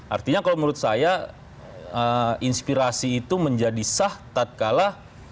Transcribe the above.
artinya kalau menurut saya inspirasi itu menjadi sah tatkala